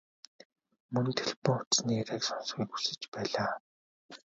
Мөн телефон утасны яриаг сонсохыг хүсэж байлаа.